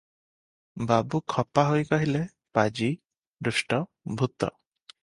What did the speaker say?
ବାବୁ ଖପା ହୋଇ କହିଲେ, “ପାଜି, ଦୁଷ୍ଟ, ଭୂତ ।